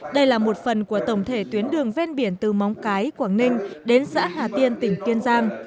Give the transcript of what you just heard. đây là một phần của tổng thể tuyến đường ven biển từ móng cái quảng ninh đến xã hà tiên tỉnh kiên giang